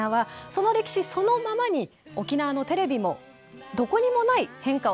その歴史そのままに沖縄のテレビもどこにもない変化を遂げてきました。